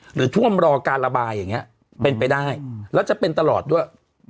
หรือท่วมรอการระบายอย่างนี้เป็นไปได้แล้วจะเป็นตลอดด้วย